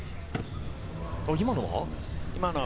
今のは？